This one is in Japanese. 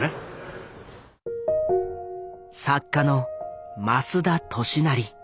作家の増田俊也。